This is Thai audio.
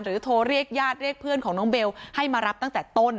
โทรเรียกญาติเรียกเพื่อนของน้องเบลให้มารับตั้งแต่ต้น